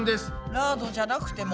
ラードじゃなくても？